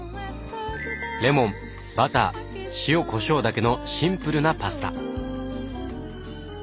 レモンバター塩こしょうだけのシンプルなパスタ。